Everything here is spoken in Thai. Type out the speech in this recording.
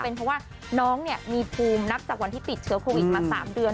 เพราะว่าน้องมีภูมินับจากวันที่ติดเชื้อโควิดมา๓เดือน